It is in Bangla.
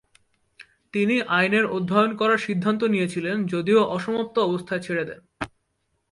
তিনি আইনের অধ্যয়ন করার সিদ্ধান্ত নিয়েছিলেন যদিও অসমাপ্ত অবস্থায় ছেড়ে দেন।